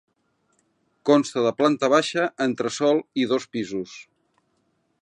Consta de planta baixa, entresòl i dos pisos.